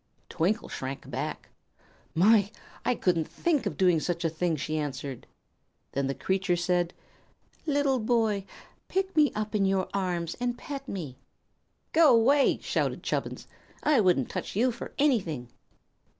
Twinkle shrank back. "My! I couldn't think of doing such a thing," she answered. Then the creature said: "Little boy, please pick me up in your arms, and pet me!" "Go 'way!" shouted Chubbins. "I wouldn't touch you for anything."